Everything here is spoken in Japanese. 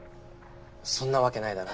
そんなわけないだろ。